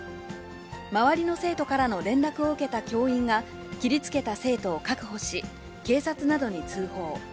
周りの生徒からの連絡を受けた教員が、切りつけた生徒を確保し、警察などに通報。